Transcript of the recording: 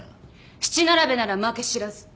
七並べなら負け知らず。